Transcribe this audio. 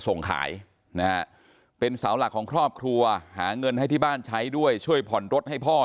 ส่งขายนะฮะเป็นเสาหลักของครอบครัวหาเงินให้ที่บ้านใช้ด้วยช่วยผ่อนรถให้พ่อ